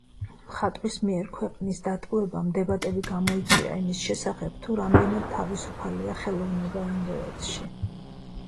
მხატვრის მიერ ქვეყნის დატოვებამ დებატები გამოიწვია იმის შესახებ, თუ რამდენად თავისუფალია ხელოვნება ინდოეთში.